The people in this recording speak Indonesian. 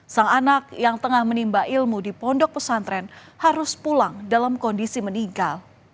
sang anak yang tengah menimba ilmu di pondok pesantren harus pulang dalam kondisi meninggal